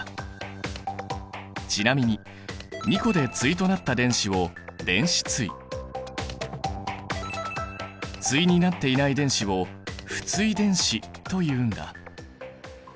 ちなみに２個で対となった電子を電子対対になっていない電子を不対電子というんだ。